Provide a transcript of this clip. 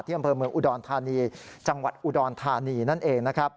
ที่อำเภอเมืองอุดอนธานีจังหวัดอุดอนธานีนั่นเอง